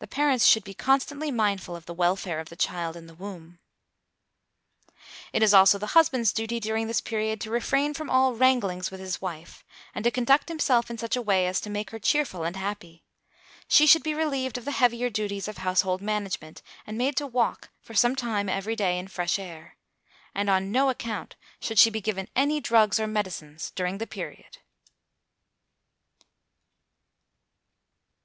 The parents should be constantly mindful of the welfare of the child in the womb. It is also the husband's duty during this period to refrain from all wranglings with his wife, and to conduct himself in such a way as to make her cheerful and happy. She should be relieved of the heavier duties of household management, and made to walk for some time every day in fresh air. And on no account should she be given any drugs or medicines during the period.